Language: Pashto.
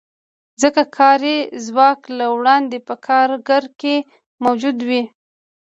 ځکه کاري ځواک له وړاندې په کارګر کې موجود وي